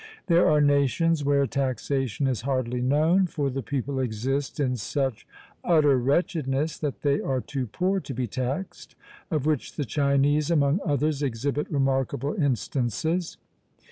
There are nations where taxation is hardly known, for the people exist in such utter wretchedness, that they are too poor to be taxed; of which the Chinese, among others, exhibit remarkable instances.